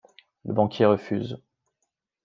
Le banquier refuse.